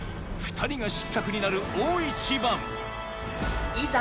２人が失格になる大一番いざ。